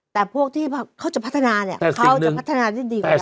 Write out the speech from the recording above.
แต่พวกที่เขาจะพัฒนาเนี่ยเขาจะพัฒนาที่ดีกว่าเรา